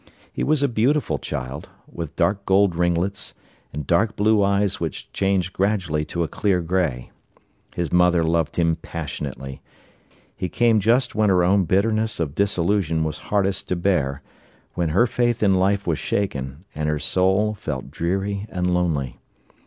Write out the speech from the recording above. He was a beautiful child, with dark gold ringlets, and dark blue eyes which changed gradually to a clear grey. His mother loved him passionately. He came just when her own bitterness of disillusion was hardest to bear; when her faith in life was shaken, and her soul felt dreary and lonely.